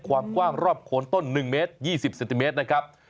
ความกว้างรอบโคนต้น๑เมตร๒๐เซนติเมตรนะครับ